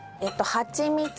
はちみつ。